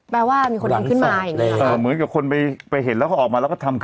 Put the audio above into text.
แปลว่ามีคนพิมพ์ขึ้นมาอย่างนี้อ่าเหมือนกับคนไปไปเห็นแล้วก็ออกมาแล้วก็ทำ